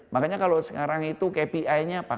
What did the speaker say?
makanya kalau sekarang itu kpi nya pak